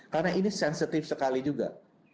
karena ini sensitif sekali juga